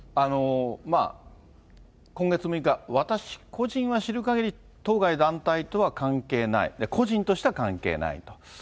今月６日、私個人は知るかぎり、当該団体とは関係ない、個人としては関係ないと。